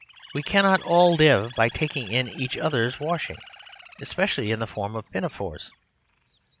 We cannot all live by taking in each other's washing, especially in the form of pinafores.